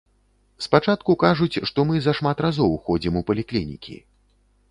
Спачатку кажуць, што мы зашмат разоў ходзім у паліклінікі.